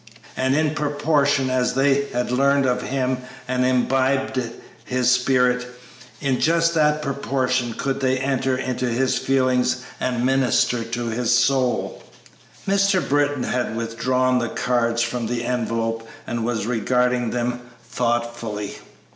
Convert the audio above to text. And in proportion as they had learned of Him and imbibed His spirit, in just that proportion could they enter into his feelings and minister to his soul." Mr. Britton had withdrawn the cards from the envelope and was regarding them thoughtfully.